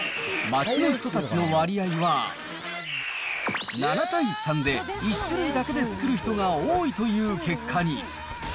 街の人たちの割合は、７対３で１種類だけで作る人が多いという結果に。